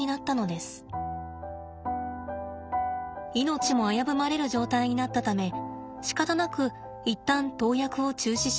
命も危ぶまれる状態になったためしかたなく一旦投薬を中止しました。